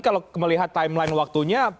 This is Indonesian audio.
kalau melihat timeline waktunya